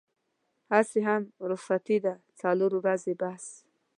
هسې هم رخصتي ده څلور ورځې بس.